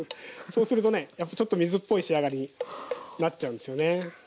そうするとねちょっと水っぽい仕上がりになっちゃうんですよね。